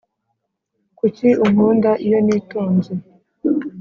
Kuki unkunda iyo nitonze